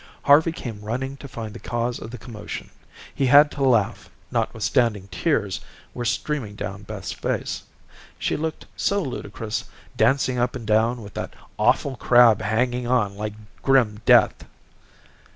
Harvey came running to find the cause of the commotion. He had to laugh, notwithstanding tears were streaming down Beth's face. She looked so ludicrous, dancing up and down with that awful crab hanging on like grim death.